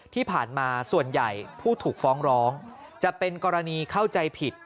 ที่ผ่านมาส่วนใหญ่ผู้ถูกฟ้องร้องจะเป็นกรณีเข้าใจผิด